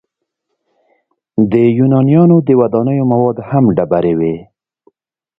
د یونانیانو د ودانیو مواد هم ډبرې وې.